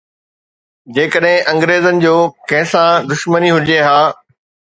جيڪڏهن انگريزن جو ڪنهن سان دشمني هجي ها.